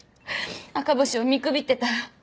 赤星を見くびってた。